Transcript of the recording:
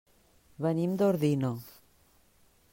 Venim d'Ordino.